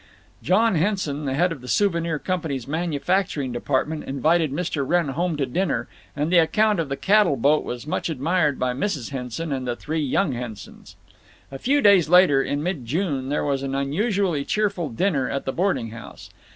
John Henson, the head of the Souvenir Company's manufacturing department, invited Mr. Wrenn home to dinner, and the account of the cattle boat was much admired by Mrs. Henson and the three young Hensons. A few days later, in mid June, there was an unusually cheerful dinner at the boarding house.